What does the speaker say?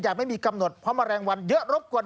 ไม่มีกำหนดเพราะแมลงวันเยอะรบกวน